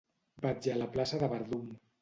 Vaig a la plaça del Verdum.